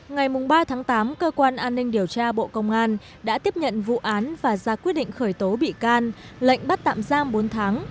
ngày ba tháng tám cơ quan an ninh điều tra bộ công an đã tiếp nhận vụ án và ra quyết định khởi tố bị can lệnh bắt tạm giam bốn tháng